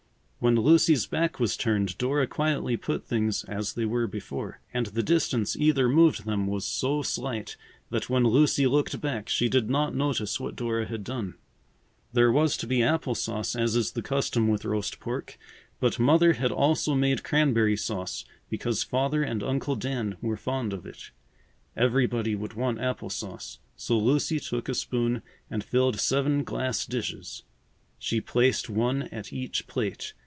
When Lucy's back was turned, Dora quietly put things as they were before. And the distance either moved them was so slight that when Lucy looked back she did not notice what Dora had done. There was to be apple sauce, as is the custom with roast pork, but Mother had also made cranberry sauce because Father and Uncle Dan were fond of it. Everybody would want apple sauce, so Lucy took a spoon and filled seven glass dishes. She placed one at each plate.